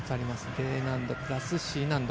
Ｄ難度プラスＣ難度。